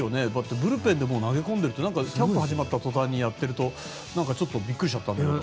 ブルペンでも投げ込んでるとなんかキャンプが始まった途端にやってるとびっくりしちゃったんだけど。